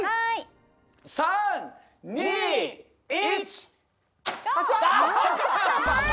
３２１。